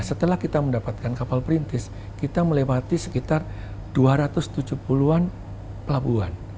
setelah kita mendapatkan kapal perintis kita melewati sekitar dua ratus tujuh puluh an pelabuhan